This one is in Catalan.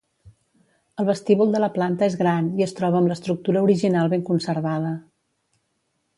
El vestíbul de la planta és gran i es troba amb l'estructura original ben conservada.